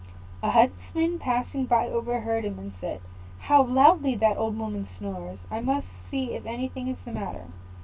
A huntsman passing by overheard him, and said, "How loudly that old woman snores! I must see if anything is the matter."